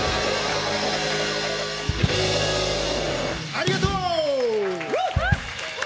ありがとう！